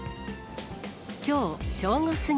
きょう正午過ぎ。